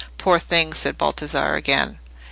"Poor thing!" said Baldassarre again.